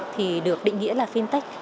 thì được định nghĩa là fintech